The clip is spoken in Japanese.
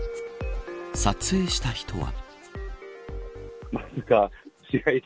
撮影した人は。